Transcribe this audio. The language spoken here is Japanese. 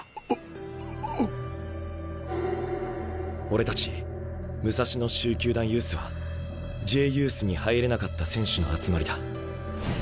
俺たち武蔵野蹴球団ユースはＪユースに入れなかった選手の集まりだ。